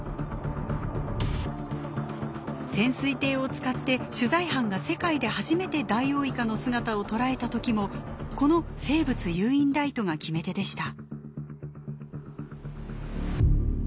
潜水艇を使って取材班が世界で初めてダイオウイカの姿を捉えた時もこの生物誘引ライトが決め手でした。